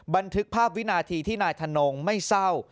บันทึกภาพวินาทีที่นายธนงไม่เศร้า